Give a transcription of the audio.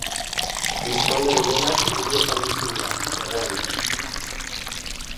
Biztanle gehienak hirietan bizi dira, hegoaldean.